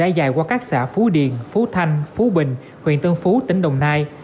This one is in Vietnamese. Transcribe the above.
rãi dài qua các xã phú điện phú thanh phú bình huyện tân phú tỉnh đồng nai